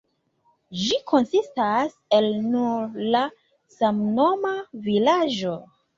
Ĝi konsistas el nur la samnoma vilaĝo.